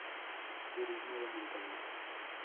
Turismo de montaña.